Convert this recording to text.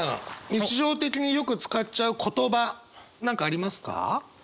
日常的によく使っちゃう言葉何かありますか？